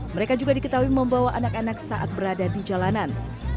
mereka juga diketahui membawa anak anak saat berada di jalanan